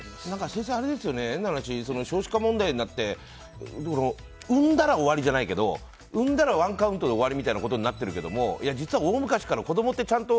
先生、変な話少子化問題になって産んだら終わりじゃないけど産んだらワンカウントで終わりみたいなことになってるけども実は大昔から子供ってちゃんと。